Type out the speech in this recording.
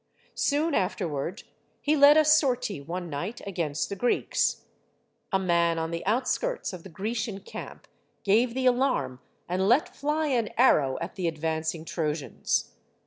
Soon after ward, he led a sortie one night against the Greeks. A man on the outskirts of the Grecian camp gave the alarm and let fly an arrow at the advancing Trojans.